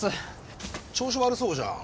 調子悪そうじゃん